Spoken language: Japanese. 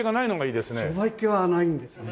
商売っ気はないんですね。